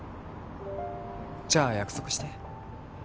じゃあ約束して。